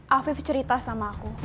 afif cerita sama aku